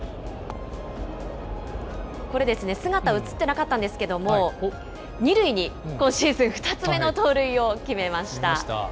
これですね、姿映ってなかったんですけれども、２塁に今シーズン２つ目の盗塁を決めました。